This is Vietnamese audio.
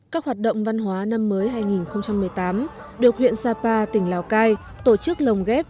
các hoạt động văn hóa năm mới hai nghìn một mươi tám được huyện sapa tỉnh lào cai tổ chức lồng ghép